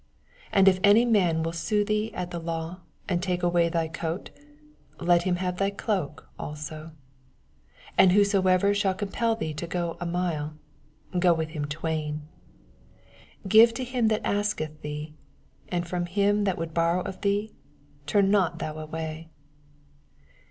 40 And if any man will sne thee at the law, and take away thy coat, let him have thy cloak also. 41 And whosoever shall compel thee to go a mile, go with him twam. 42 Give to him that asketh thee, and fyom him that would borrow of thee turn not thou away.